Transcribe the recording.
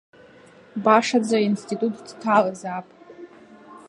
Башаӡа аинститут дҭалазаап!